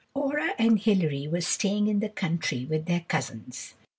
] Nora and Hilary were staying in the country with their cousins.